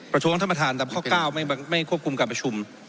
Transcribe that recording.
ท้วงท่านประธานตามข้อ๙ไม่ควบคุมการประชุม